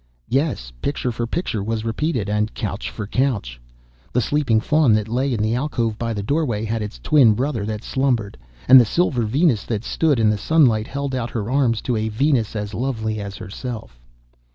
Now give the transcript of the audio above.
Yes, picture for picture was repeated, and couch for couch. The sleeping Faun that lay in the alcove by the doorway had its twin brother that slumbered, and the silver Venus that stood in the sunlight held out her arms to a Venus as lovely as herself.